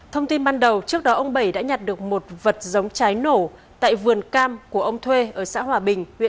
thông tin ban đầu trước đó ông bảy đã nhặt được một vật giống trái nổ tại vườn cam của ông thuê ở xã hòa bình